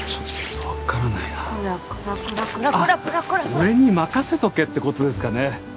「俺に任せとけ」って事ですかね？